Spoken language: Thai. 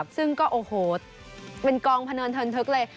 ซึ่งก็โอ้โหเป็นกองพะเนินเทินทึกเลย